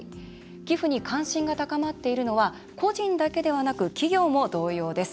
寄付に関心が高まっているのは個人だけでなく企業も同様です。